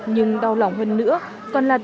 nhưng đau lòng hơn nữa còn là tội lỗi